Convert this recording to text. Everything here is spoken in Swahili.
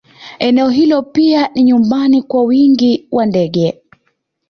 Eneo hilo pia ni nyumbani kwa wingi wa ndege